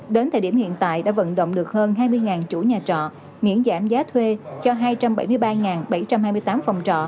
đến thời điểm hiện tại đã vận động được hơn hai mươi chủ nhà trọ miễn giảm giá thuê cho hai trăm bảy mươi ba bảy trăm hai mươi tám phòng trọ